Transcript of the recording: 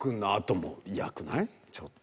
ちょっと。